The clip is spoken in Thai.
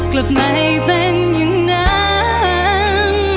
กลับไม่เป็นอย่างนั้น